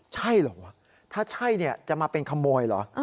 ใช่เหรอถ้าใช่จะมาเป็นขโมยเหรอ